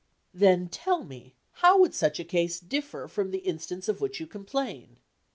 Then, tell me, how would such a case differ from the instance of which you complain?